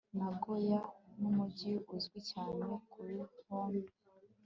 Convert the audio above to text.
Nagoya numujyi uzwi cyane kubihome